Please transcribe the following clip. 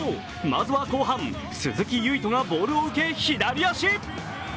まずは後半、鈴木唯人がボールを受け左足！